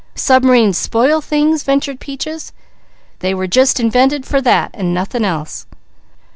"Subm'rines spoil things?" ventured Peaches. "They were just invented for that, and nothing else."